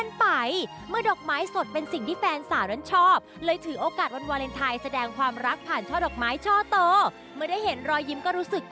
ไม่ไหวช้างมือออก